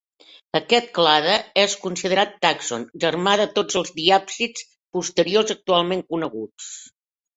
Aquest clade és considerat tàxon germà de tots els diàpsids posteriors actualment coneguts.